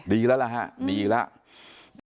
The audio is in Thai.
ดีแล้วล่ะครับดีแล้ว